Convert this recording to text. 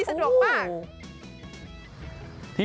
สะดวกมาก